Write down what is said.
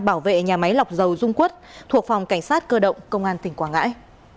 bảo vệ nhà máy lọc dầu dung quất thuộc phòng cảnh sát cơ động công an tỉnh quảng ngãi